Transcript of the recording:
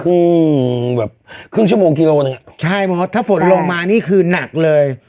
ครึ่งแบบครึ่งชั่วโมงกิโลหนึ่งอ่ะใช่มอสถ้าฝนลงมานี่คือหนักเลย